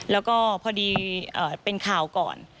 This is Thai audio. แล้วก็พอดีเป็นข่าวก่อน